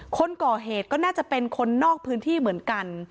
คนก่อเหตุก็น่าจะเป็นคนนอกพื้นที่เหมือนกัน